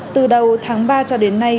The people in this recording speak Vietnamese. từ đầu tháng ba cho đến nay